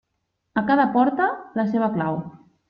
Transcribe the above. A cada porta, la seva clau.